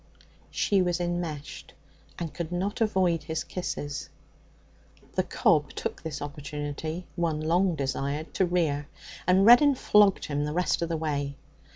She was enmeshed, and could not avoid his kisses. The cob took this opportunity one long desired to rear, and Reddin flogged him the rest of the way.